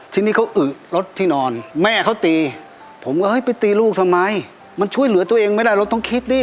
ทีนี้เขาอึรถที่นอนแม่เขาตีผมก็เฮ้ยไปตีลูกทำไมมันช่วยเหลือตัวเองไม่ได้เราต้องคิดดิ